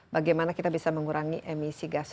bagaimana kita bisa mengurangi emisi gas